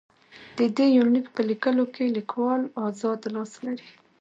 د دې يونليک په ليکلوکې ليکوال اذاد لاس لري.